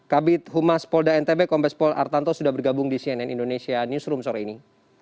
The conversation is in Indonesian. kabit humas polda ntb kombes pol artanto sudah bergabung di cnn indonesia newsroom sore ini